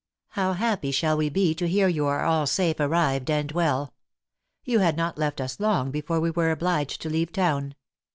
How happy shall we be to hear you are all safe arrived and well. You had not left us long before we were obliged to leave town.